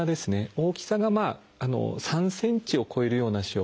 大きさが３ｃｍを超えるような腫瘍。